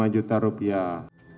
lima juta rupiah